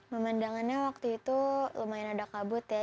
pemandangannya waktu itu lumayan ada kabut ya